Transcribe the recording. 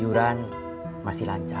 iuran masih dikendali